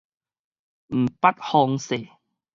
毋捌風勢